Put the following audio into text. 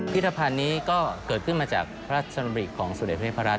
พิธภัณฑ์นี้ก็เกิดขึ้นมาจากพระราชดำริของสมเด็จพระเทพรัต